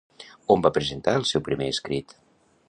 On va presentar el seu primer escrit?